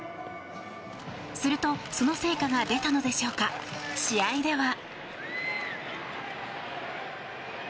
するとその成果が出たのでしょうか試合では。